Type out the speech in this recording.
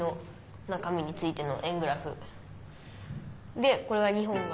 「でこれが日本が」。